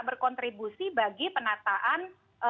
berkontribusi bagi penataan